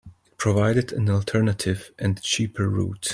It provided an alternative and cheaper route.